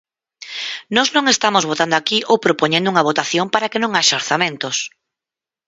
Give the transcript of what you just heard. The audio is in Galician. Nós non estamos votando aquí ou propoñendo unha votación para que non haxa orzamentos.